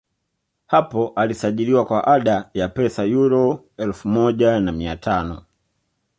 hapo alisajiliwa kwa ada ya pesa yuro elfu moja na mia tano